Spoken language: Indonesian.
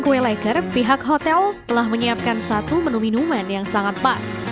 kue laker pihak hotel telah menyiapkan satu menu minuman yang sangat pas